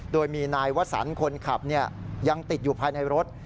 โดยมีนายวสันคนขับยังติดอยู่ภายในรถ